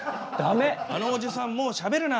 「あのおじさんもうしゃべるな！